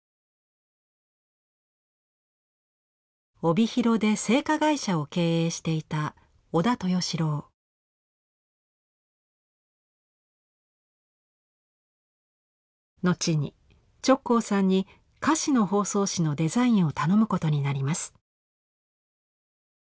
帯広で製菓会社を経営していた後に直行さんに菓子の包装紙のデザインを頼むことになります。